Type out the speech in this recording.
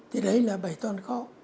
thì đấy là bày toán khó